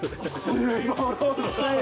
すばらしい！